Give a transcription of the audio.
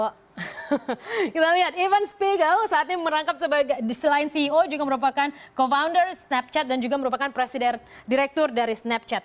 kita lihat evan spigel saat ini merangkap sebagai selain ceo juga merupakan co founder snapchat dan juga merupakan presiden direktur dari snapchat